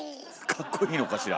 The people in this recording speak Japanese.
かっこいいのかしら。